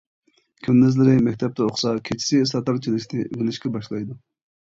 كۈندۈزلىرى مەكتەپتە ئوقۇسا، كېچىسى ساتار چېلىشنى ئۆگىنىشكە باشلايدۇ.